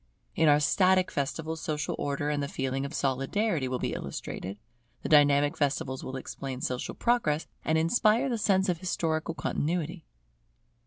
In our static festivals social Order and the feeling of Solidarity, will be illustrated; the dynamic festivals will explain social Progress, and inspire the sense of historical Continuity.